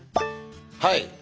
はい。